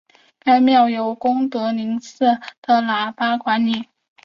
该庙由功德林寺的喇嘛管理。